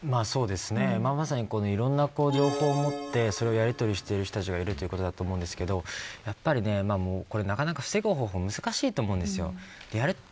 まさに、いろんな情報を持ってそれをやりとりしている人がいるということなんですけどなかなか防ぐ方法難しいと思うんです。